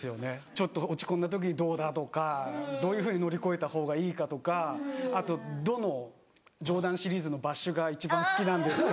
ちょっと落ち込んだ時にどうだとかどういうふうに乗り越えた方がいいかとかあとどのジョーダンシリーズのバッシュが一番好きなんですか。